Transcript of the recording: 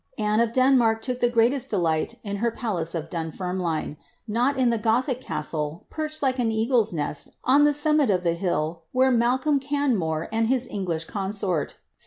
Anne of Denmark took the greatest drliglit in her palace of Dunfennline — not in the Gothic cattle, perched, like an eagle's nest, on the summit of the hill where Malcolm Canmorc, and his English consort, St.